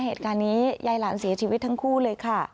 เหตุการณ์นี้ยายหลานเสียชีวิตทั้งคู่เลยค่ะ